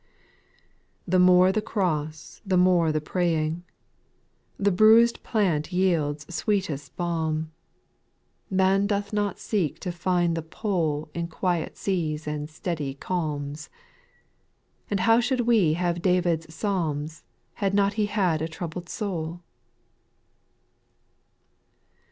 : The more the cross, the more the praying ;• The bruised plant yields sweetest balm ; SPIRITUAL SONGS, 19S Man doth not seek to find the pole In quiet seas and steady calms ; And how should we have David's psalms Had he not had a troubled soul